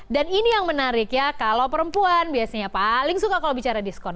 dan ini yang menarik ya kalau perempuan biasanya paling suka kalau bicara diskon